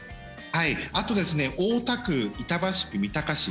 あと大田区、板橋区、三鷹市